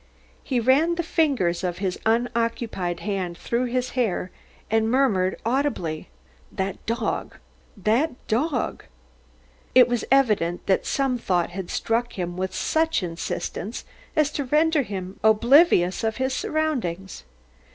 He ran the fingers of his unoccupied hand through his hair and murmured audibly, "That dog! that dog!" It was evident that some thought had struck him with such insistence as to render him oblivious of his surroundings.